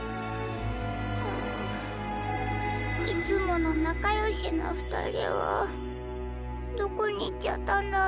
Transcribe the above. いつものなかよしなふたりはどこにいっちゃったんだろう。